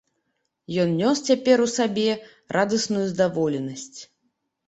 Ён нёс цяпер у сабе радасную здаволенасць.